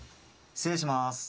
失礼します。